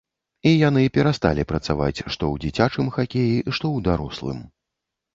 І яны перасталі працаваць што ў дзіцячым хакеі, што ў дарослым.